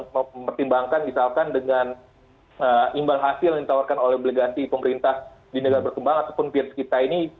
mempertimbangkan misalkan dengan imbal hasil yang ditawarkan oleh obligasi pemerintah di negara berkembang ataupun peers kita ini